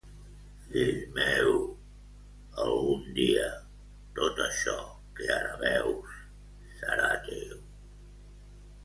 Fill meu, algun dia tot això que ara veus serà teu.